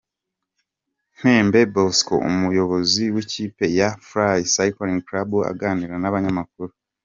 Ntembe Bosco umuyobozi w'ikipe ya Fly Cycling Club aganira n'abanyamakuru.